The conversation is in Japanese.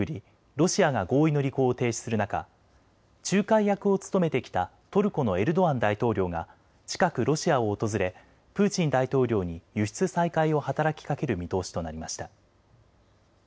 ロシアが合意の履行を停止する中、仲介役を務めてきたトルコのエルドアン大統領が近くロシアを訪れプーチン大統領に輸出再開を働きかける見通しとなりました。